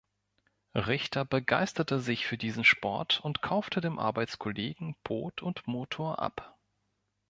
Richter begeisterte sich für diesen Sport und kaufte dem Arbeitskollegen Boot und Motor ab.